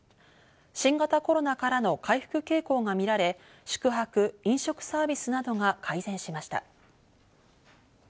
新型コロナからの回復傾向がみられ、宿泊・飲食サービスなどが改善しました。